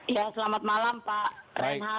ya selamat malam pak renhard